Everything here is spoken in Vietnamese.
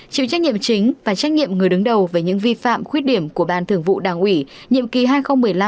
chịu trách nhiệm chính và trách nhiệm người đứng đầu với những vi phạm khuyết điểm của ban thường vụ đảng ủy nhiệm ký hai nghìn một mươi năm hai nghìn hai mươi